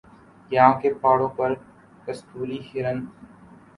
یہاں کے پہاڑوں پر کستوری ہرن